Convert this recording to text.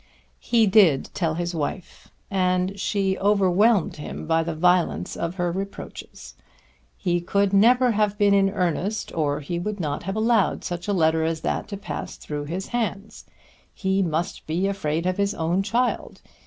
He did tell his wife and she overwhelmed him by the violence of her reproaches. He could never have been in earnest, or he would not have allowed such a letter as that to pass through his hands. He must be afraid of his own child.